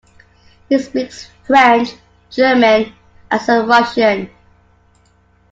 He speaks French, German and some Russian.